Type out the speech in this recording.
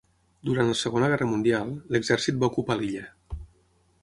Durant la Segona Guerra Mundial, l'exèrcit va ocupar l'illa.